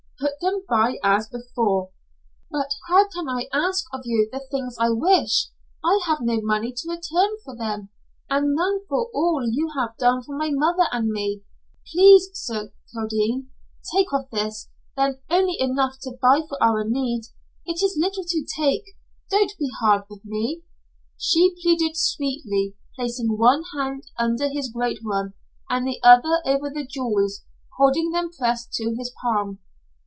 Put them by as before." "But how can I ask of you the things I wish? I have no money to return for them, and none for all you have done for my mother and me. Please, Sir Kildene, take of this, then, only enough to buy for our need. It is little to take. Do not be hard with me." She pleaded sweetly, placing one hand under his great one, and the other over the jewels, holding them pressed to his palm.